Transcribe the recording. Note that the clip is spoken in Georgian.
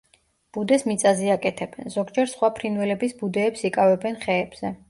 ბუდეს მიწაზე აკეთებენ; ზოგჯერ სხვა ფრინველების ბუდეებს იკავებენ ხეებზე.